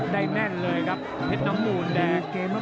ได้แน่นเลยครับเพชรน้ำหมูนแดง